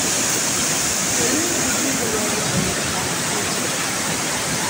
Sche lu giavischel jeu aunc ina biala sera.